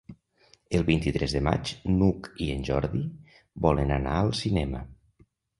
El vint-i-tres de maig n'Hug i en Jordi volen anar al cinema.